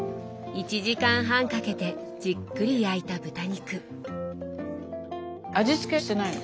１時間半かけてじっくり焼いた豚肉。味付けしてないの。